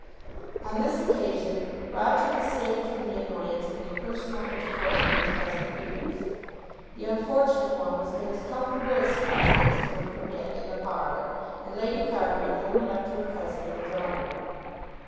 On this occasion Roger was saved from the annoyance of any personal intercourse with his cousin Felix. The unfortunate one was made as comfortable as circumstances would permit in the parlour, and Lady Carbury then went up to her cousin in the drawing room.